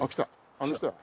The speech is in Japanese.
あの人や。